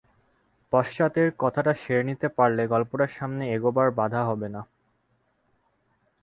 পশ্চাতের কথাটা সেরে নিতে পারলে গল্পটার সামনে এগোবার বাধা হবে না।